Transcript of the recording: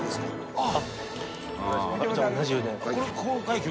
あっ！